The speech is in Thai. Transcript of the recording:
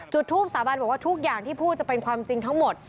จุดทูปสาบานบอกว่าทุกอย่างที่พูดจะเป็นความจริงทั้งหมด